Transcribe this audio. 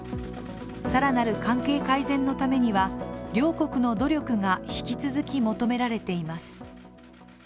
更なる関係改善のためには両国の努力が引き続き求められています。